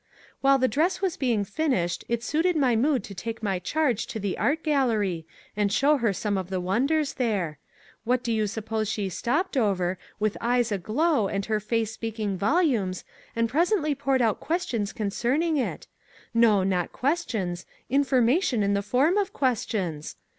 While the dress was being finished it suited my mood to take my charge to the art gallery, and show her some of the wonders there. What do you suppose 161 MAG AND MARGARET she stopped over, with eyes aglow and her face speaking volumes, and presently poured out questions concerning it no, not questions; information in the form of questions?